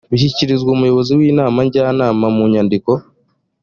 bishyikirizwa umuyobozi w’inama njyanama mu nyandiko